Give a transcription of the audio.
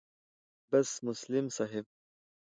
بس مسلم صاحب